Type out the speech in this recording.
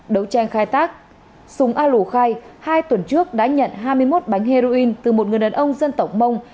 đấu tranh khai tác xung a lù khai hai tuần trước đã nhận hai mươi một bánh heroin từ một người đàn ông dân tổng mông